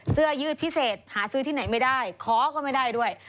เสื้อยืดพิเศษหาซื้อที่ไหนไม่ได้ขอก็ไม่ได้ด้วย